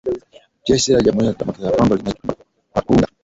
Jeshi la Jamuhuri ya Demokrasia ya Kongo linaishutumu Rwanda kwa kuunga